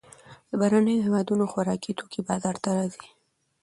د بهرنیو هېوادونو خوراکي توکي بازار ته راځي.